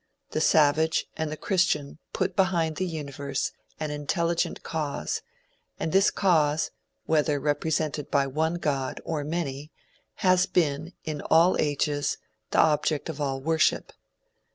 The savage and the christian put behind the Universe an intelligent cause, and this cause whether represented by one god or many, has been, in all ages, the object of all worship.